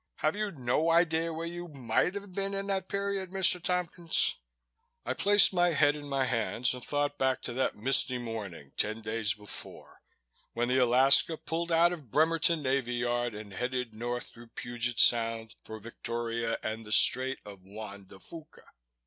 Have you no idea of where you might have been in that period, Mr. Tompkins?" I placed my head in my hands and thought back to that misty morning ten days before, when the Alaska pulled out of Bremerton Navy Yard and headed north through Puget Sound for Victoria and the Strait of Juan de Fuca.